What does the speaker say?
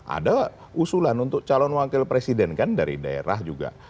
ada usulan untuk calon wakil presiden kan dari daerah juga